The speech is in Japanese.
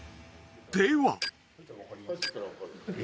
では］